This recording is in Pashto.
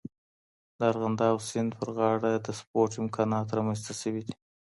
د ارغنداب سیند پر غاړه د سپورټ امکانات رامنځته سوي دي.